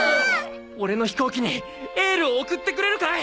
オレの飛行機にエールを送ってくれるかい？